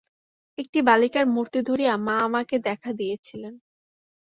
একটি বালিকার মূর্তি ধরিয়া মা আমাকে দেখা দিয়াছিলেন।